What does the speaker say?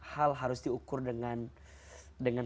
hal harus diukur dengan